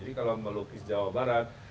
jadi kalau melukis jawa barat